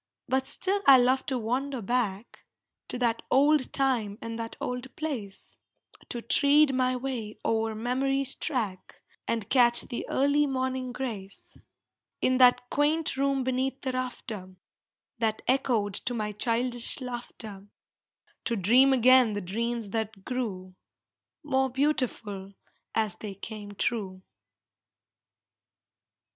But still I love to wander back To that old time and that old place; To tread my way o'er memory's track, And catch the early morning grace, In that quaint room beneath the rafter, That echoed to my childish laughter; To dream again the dreams that grew More beautiful as they came true.